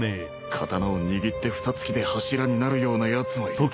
刀を握ってふたつきで柱になるようなやつもいる。